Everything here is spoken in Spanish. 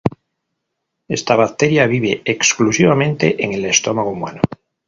Esta bacteria vive exclusivamente en el estómago humano.